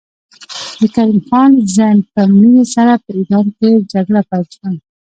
د کریم خان زند په مړینې سره په ایران کې جګړه پیل شوه.